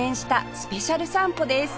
スペシャル散歩です